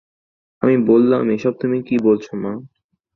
আমি বললাম, এসব তুমি কী বলছ মা!